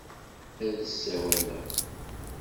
Ad d-sawaleɣ.